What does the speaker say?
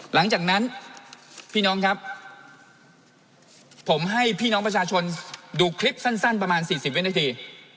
หลังจากนั้นพี่น้องครับผมให้พี่น้องประชาชนดูคลิปสั้นประมาณ๔๐วินาที